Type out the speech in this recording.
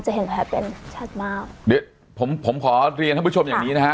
จะเห็นแผลเป็นชัดมากผมขอเรียนให้ผู้ชมอย่างนี้นะคะ